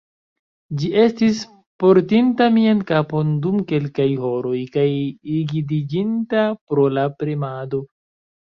Ĝi estis portinta mian kapon dum kelkaj horoj, kaj rigidiĝinta pro la premado.